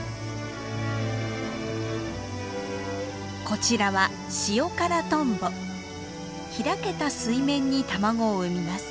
こちらは開けた水面に卵を産みます。